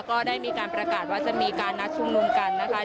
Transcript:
ก็ได้มีการประกาศว่าจะมีการนัดชุมนุมกันนะคะ